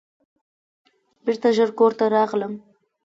بیرته ژر کور ته راغلم.